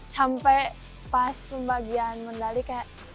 sampai pas pembagian medali kayak